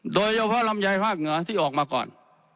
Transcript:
โดยเฉพาะลำไยภาคเหนือที่ออกมาก่อน